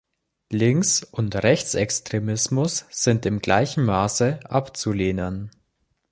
Links- und Rechtsextremismus sind in gleichem Maße abzulehnen.